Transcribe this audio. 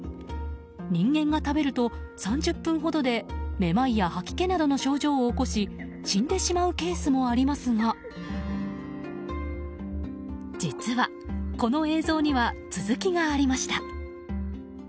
人間が食べると３０分ほどでめまいや吐き気などの症状を起こし死んでしまうケースもありますが実は、この映像には続きがありました。